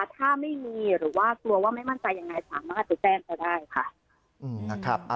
ถ้าไม่มีหรือว่ากลัวว่าไม่มั่นใจยังไงถามมันอาจจะแจ้งก็ได้ค่ะ